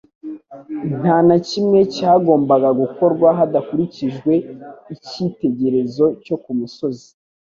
Nta na kimwe cyagombaga gukorwa hadakurikijwe icyitegerezo cyo ku musozi.